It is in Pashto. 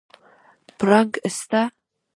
پړانګ سته؟